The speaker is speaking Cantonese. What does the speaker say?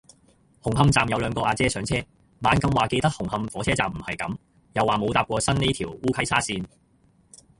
紅磡站有兩個阿姐上車，猛咁話記得紅磡火車站唔係噉，又話冇搭過新呢條烏溪沙綫